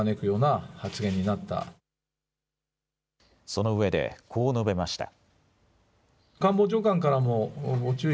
そのうえでこう述べました。